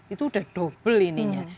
itu udah dobel ini ya